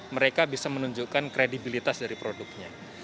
mereka bisa menunjukkan kredibilitas dari produknya